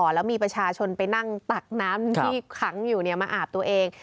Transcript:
แล้วมีประชาชนไปนั่งตักน้ำที่ขังอยู่มาอาบตัวเอง